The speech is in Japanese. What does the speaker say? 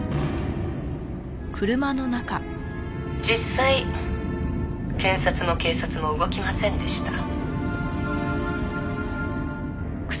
「実際検察も警察も動きませんでした」